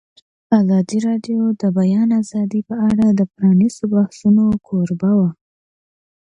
ازادي راډیو د د بیان آزادي په اړه د پرانیستو بحثونو کوربه وه.